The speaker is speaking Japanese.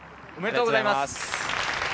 ありがとうございます。